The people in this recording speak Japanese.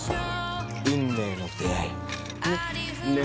運命の出会い。ね？